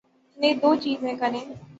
‘نے دوچیزیں کیں۔